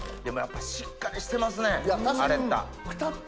でもやっぱりしっかりしてますねアレッタ。